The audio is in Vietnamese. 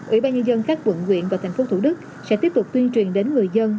ủy ban nhân dân các vận quyện và thành phố thủ đức sẽ tiếp tục tuyên truyền đến người dân